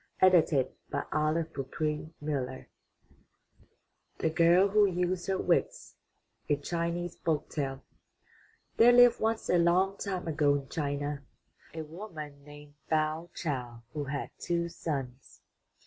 '' 270 UP ONE PAIR OF STAIRS THE GIRL WHO USED HER WITS A Chinese Folk Tale There lived once a long time ago in China, a woman named Fow Chow who had two sons.